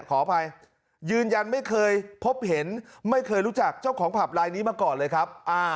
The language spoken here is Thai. ขออภัยยืนยันไม่เคยพบเห็นไม่เคยรู้จักเจ้าของผับลายนี้มาก่อนเลยครับ